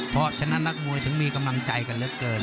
เพราะฉะนั้นนักมวยถึงมีกำลังใจกันเหลือเกิน